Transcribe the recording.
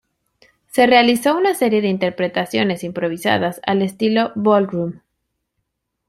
Se realizó una serie de interpretaciones improvisadas al estilo "Ballroom".